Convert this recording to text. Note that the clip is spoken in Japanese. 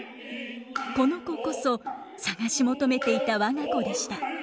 この子こそ捜し求めていた我が子でした。